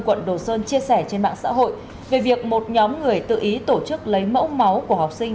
quận đồ sơn chia sẻ trên mạng xã hội về việc một nhóm người tự ý tổ chức lấy mẫu máu của học sinh